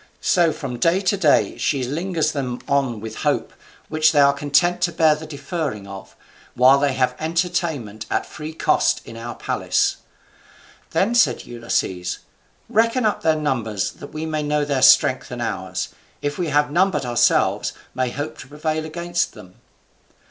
So from day to day she lingers them on with hope, which they are content to bear the deferring of, while they have entertainment at free cost in our palace." Then said Ulysses, "Reckon up their numbers that we may know their strength and ours, if we having none but ourselves may hope to prevail against them."